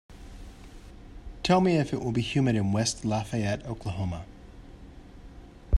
Tell me if it will be humid in West Lafayette, Oklahoma